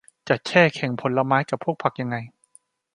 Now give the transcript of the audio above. จะแช่แข็งผลไม้กับพวกผักยังไง